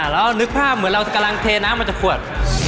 แล้วนึกภาพเหมือนเรากำลังเทน้ำมาจากขวด